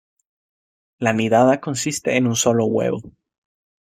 La nidada consiste en un sólo huevo.